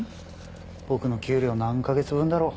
僕の給料何カ月分だろう。